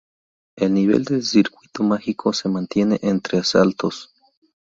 El nivel del Circuito Mágico se mantiene entre asaltos.